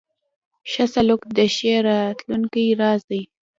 ښه سلوک د ښې راتلونکې راز دی.